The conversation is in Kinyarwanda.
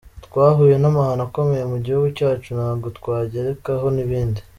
Twahuye n’amahano akomeye mu gihugu cyacu ntago twagerekaho n’ibindi”.